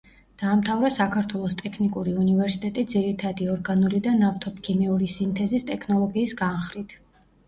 დაამთავრა საქართველოს ტექნიკური უნივერსიტეტი ძირითადი ორგანული და ნავთობქიმიური სინთეზის ტექნოლოგიის განხრით.